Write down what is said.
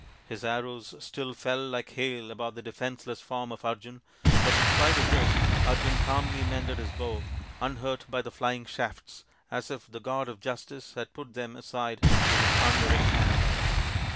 His arrows still fell like hail about the defenceless form of Arjun, but in spite of this Arjun calmly mended his bow, unhurt by the flying shafts, as if the god of justice had put them aside with his unerring hand.